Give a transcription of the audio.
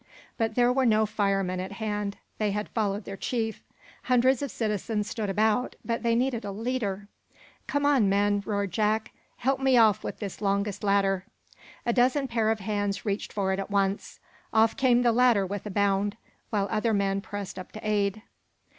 But there were no firemen at hand. They had followed their chief. Hundreds of citizens stood about, but they needed a leader. "Come on, men!" roared Jack. "Help me off with this longest ladder." A dozen pair of hands reached for it at once. Off came the ladder with a bound, while other men pressed up to aid.